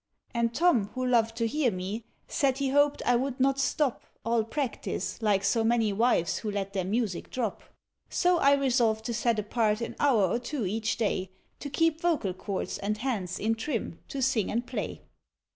And Tom, who loved to hear me, said he hoped I would not stop All practice, like so many wives who let their music drop. So I resolved to set apart an hour or two each day To keeping vocal chords and hands in trim to sing and play.